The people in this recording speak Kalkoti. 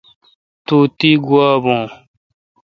تو تی گوا بھو۔